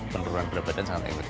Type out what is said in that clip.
penurunan berat badan sangat elekt